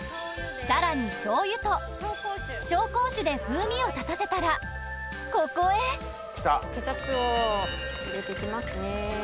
さらに醤油と紹興酒で風味を立たせたらここへケチャップを入れて行きますね。